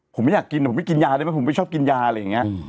ผมไม่อยากกินผมไม่กินยาได้ไหมผมไม่ชอบกินยาอะไรอย่างนี้